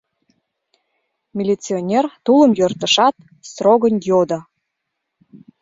Милиционер тулым йӧртышат, строгын йодо: